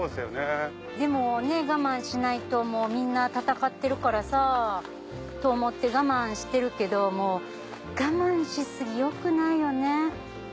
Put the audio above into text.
でも我慢しないとみんな闘ってるからさ。と思って我慢してるけども我慢し過ぎよくないよね。